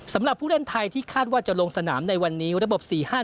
สำหรับผู้เล่นไทยที่คาดว่าจะลงสนามในวันนี้ระบบ๔๕